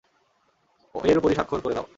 এর উপরই স্বাক্ষর করে দাও।